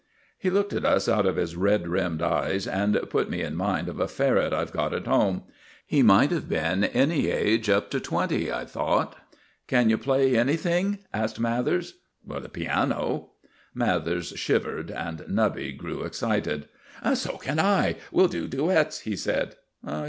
He looked at us out of his red rimmed eyes, and put me in mind of a ferret I've got at home. He might have been any age up to twenty, I thought. "Can you play anything?" asked Mathers. "The piano." Mathers shivered and Nubby grew excited. "So can I. We'll do duets," he said.